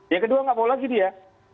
yang kedua nggak mau lagi dia